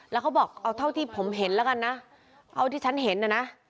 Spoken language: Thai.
แล้วเขาบอกเอาเท่าที่ผมเห็นแล้วกันนะเอาที่ฉันเห็นน่ะนะ